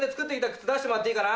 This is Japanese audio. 靴出してもらっていいかな。